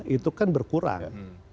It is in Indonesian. itu kan berkurang